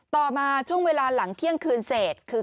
ต่อมาช่วงเวลาหลังเที่ยงคืนเศษคือ